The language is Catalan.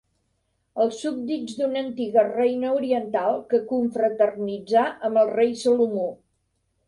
Els súbdits d'una antiga reina oriental que confraternitzà amb el rei Salomó.